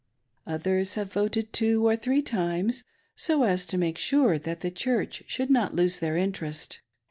Others have voted two or three times, so as to make sure that the Church should not lose their interest.